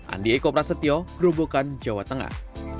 andi eko prasetyo gerobokan jawa tengah